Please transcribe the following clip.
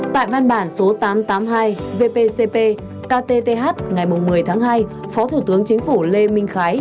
tại văn bản số tám trăm tám mươi hai vpcp ktth ngày một mươi tháng hai phó thủ tướng chính phủ lê minh khái